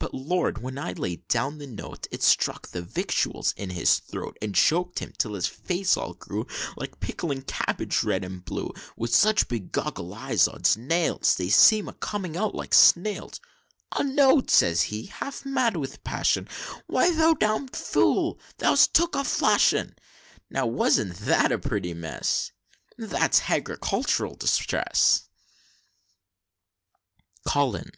But lord! when I laid down the note, It stuck the victuals in his throat, And chok'd him till his face all grew Like pickling cabbage, red and blue; With such big goggle eyes, Ods nails! They seem'd a coming out like snails! 'A note,' says he, half mad with passion, 'Why, thou dom'd fool! thou'st took a flash 'un!' Now, wasn't that a pretty mess? That's Hagricultural Distress." COLIN.